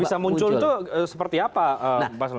bisa muncul tuh seperti apa pak selamat